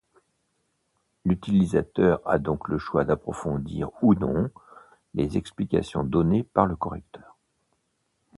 L’utilisateur a donc le choix d’approfondir ou non les explications données par le correcteur.